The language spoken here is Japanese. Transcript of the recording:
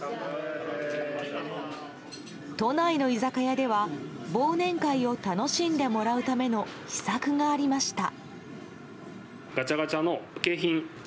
都内の居酒屋では忘年会を楽しんでもらうための秘策がありました。